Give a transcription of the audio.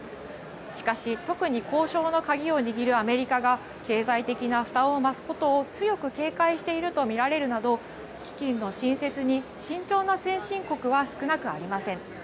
しかし、特に交渉の鍵を握るアメリカが経済的な負担を増すことを強く警戒していると見られるなど基金の新設に、慎重な先進国は少なくありません。